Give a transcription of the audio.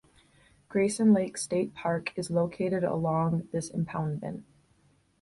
Grayson Lake State Park is located along this impoundment.